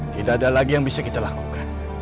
tidak ada lagi yang bisa kita lakukan